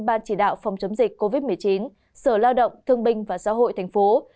ban chỉ đạo phòng chống dịch covid một mươi chín sở lao động thương binh và xã hội thành phố